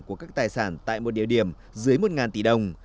của các tài sản tại một địa điểm dưới một tỷ đồng